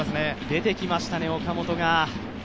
出てきましたね、岡本が。